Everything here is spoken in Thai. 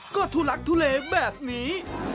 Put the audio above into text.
ก็ทุลักทุเลแบบนี้